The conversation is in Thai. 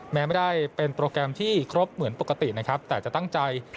แม้ไม่ได้เป็นโปรแกรมที่ครบเหมือนปกตินะครับแต่จะตั้งใจ